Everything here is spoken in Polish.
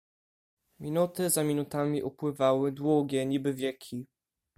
"Minuty za minutami upływały długie, niby wieki."